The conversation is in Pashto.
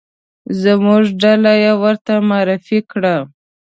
زموږ ډله یې ورته معرفي کړه.